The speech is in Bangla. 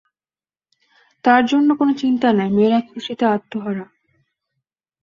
তার জন্যে কোন চিন্তা নাই, মেয়েরা খুশীতে আত্মহারা।